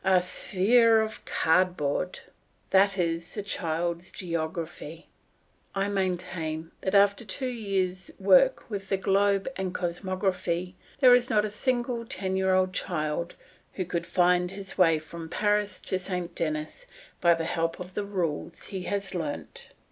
"A sphere of cardboard." That is the child's geography. I maintain that after two years' work with the globe and cosmography, there is not a single ten year old child who could find his way from Paris to Saint Denis by the help of the rules he has learnt.